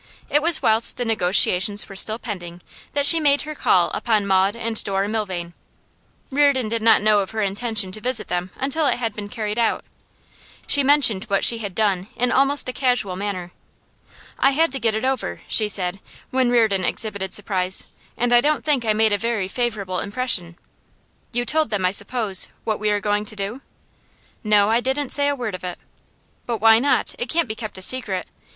It was whilst the negotiations were still pending that she made her call upon Maud and Dora Milvain; Reardon did not know of her intention to visit them until it had been carried out. She mentioned what she had done in almost a casual manner. 'I had to get it over,' she said, when Reardon exhibited surprise, 'and I don't think I made a very favourable impression.' 'You told them, I suppose, what we are going to do?' 'No; I didn't say a word of it.' 'But why not? It can't be kept a secret.